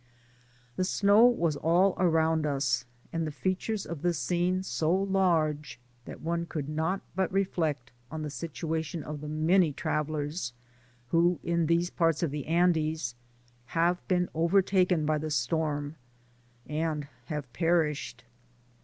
The snow was all around us, and the features of the scene so large, that one could not but reflect on the situation of the many travellers, who, in these parti of the Andes, have been overtaken by the storm, and have parished.